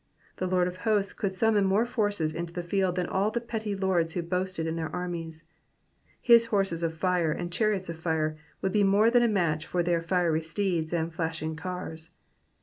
The Lord of Hosts could summon more forces into the field than all the petty lords who boasted in their aimies ; his horses of fire and chariots of fire would be more than a match for their fiery steeds and flashing cars.